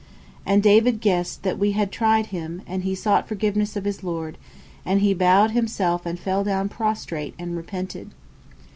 And David guessed that We had tried him, and he sought forgiveness of his Lord, and he bowed himself and fell down prostrate and repented.